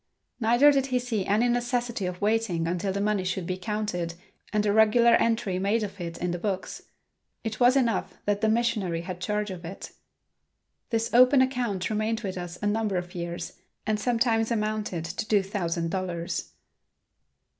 Neither did he see any necessity of waiting until the money should be counted and a regular entry made of it in the books. It was enough that the missionary had charge of it. This open account remained with us a number of years and sometimes amounted to two thousand dollars.